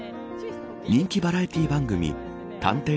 人気バラエティー番組探偵！